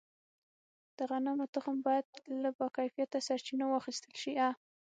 د غنمو تخم باید له باکیفیته سرچینو واخیستل شي.